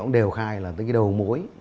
đều khai là đầu mối